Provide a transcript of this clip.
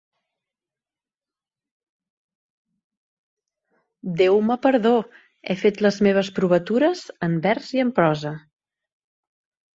Déu me perdó!, he fet les meves provatures en vers i en prosa.